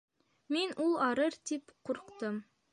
Мин ул арыр тип ҡурҡтым.